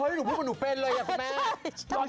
เฮ้ยหนูพูดเหมือนหนูเป็นเลยนะคุณแม่ใช่